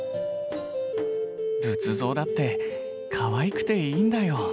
仏像だってかわいくていいんだよ。